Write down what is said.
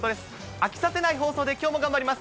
飽きさせない放送できょうも頑張ります。